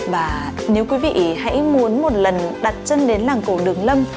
và nếu quý vị hãy muốn một lần đặt chân đến làng cổ đường lâm